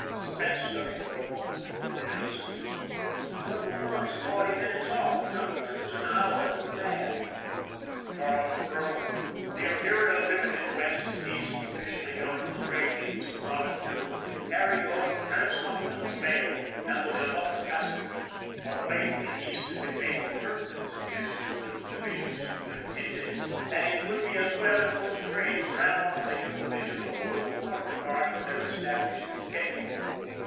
Spence studied for a moment before he answered: " Number One is forty minutes off, and Number Two's an hour to the bad." Carleton groaned. The Imperial Limited West and East, officially known on the train sheets as One and Two, carried both the transcontinental mail and the de luxe passengers. Of late the East had been making pertinent suggestions to the Division Superintendent that it would be as well if those trains ran off the Hill Division with a little more regard for their established schedule.